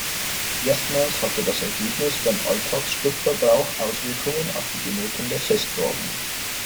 Erstmals hatte das Ergebnis beim Alltags-Spritverbrauch Auswirkungen auf die Benotung der Testwagen.